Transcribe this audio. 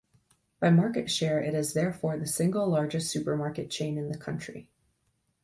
By market share it is therefore the single largest supermarket chain in the country.